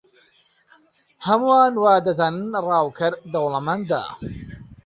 هەمووان وا دەزانن ڕاوکەر دەوڵەمەندە.